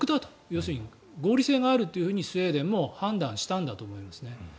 要するに合理性があるとスウェーデンも判断したんだと思います。